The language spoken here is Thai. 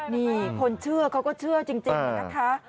นี่คนเชื่อเขาก็เชื่อจริงนะคะ